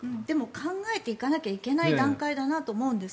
考えていかなきゃいけない段階だなと思うんです。